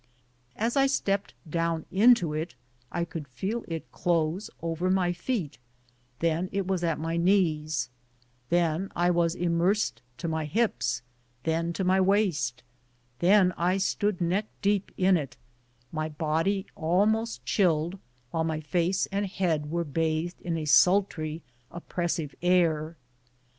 As I stepped down into it I could feel it close over my feet, then it was at my knees, then I was immersed to my hips, then to my waist, then I stood neck deep in it, my body almost chilled while my face and head were bathed by a sultry, oppressive air.